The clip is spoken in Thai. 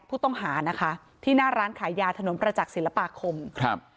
ผู้ต้องหานะคะที่หน้าร้านขายยาถนนประจักษ์ศิลปาคมครับ